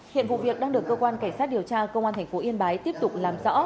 hiện vụ việc đang được cơ quan cảnh sát điều tra công an thành phố yên bái tiếp tục làm rõ